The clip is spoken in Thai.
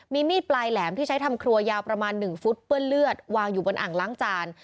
มีมีดปลายแหลมที่ใช้ทำครัวยาวประมาณ๑ฟุตเปื้อนเลือดวางอยู่บนอ่างล้างจาน